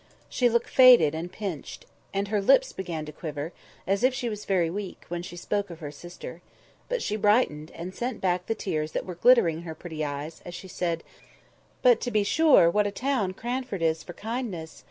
She looked faded and pinched; and her lips began to quiver, as if she was very weak, when she spoke of her sister. But she brightened, and sent back the tears that were glittering in her pretty eyes, as she said— "But, to be sure, what a town Cranford is for kindness!